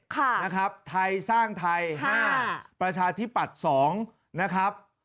ค่ะนะครับไทยสร้างไทย๕ประชาธิปัตย์๒นะครับ